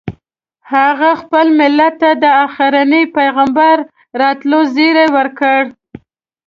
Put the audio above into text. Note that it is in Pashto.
هغه خپل ملت ته د اخرني پیغمبر راتلو زیری ورکړ.